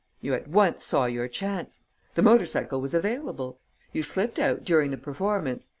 You at once saw your chance. The motor cycle was available. You slipped out during the performance.